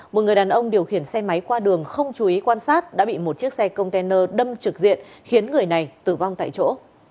một người đàn ông điều khiển xe máy qua đường không chú ý quan sát đã bị một chiếc xe container đâm trực diện khiến người này tử vong tại chỗ